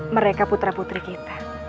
mereka putra putri kita